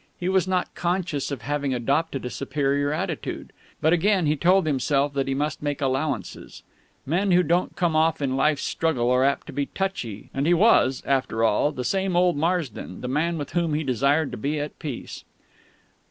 He was not conscious of having adopted a superior attitude. But again he told himself that he must make allowances. Men who don't come off in Life's struggle are apt to be touchy, and he was; after all, the same old Marsden, the man with whom he desired to be at peace.